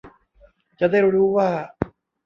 จะได้รู้ว่า